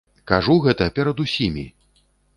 Кажу гэта перад усімі!